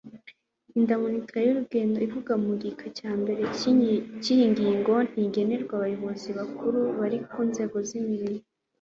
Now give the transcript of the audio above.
indamunite y'urugendo ivugwa mu gika cya mbere cy'iyi ngingo ntigenerwa abayobozi bakuru bari ku nzego z'imirimo